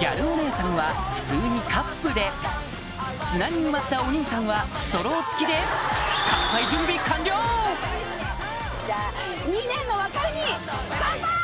ギャルお姉さんは普通にカップで砂に埋まったお兄さんはストロー付きでよっしゃあ！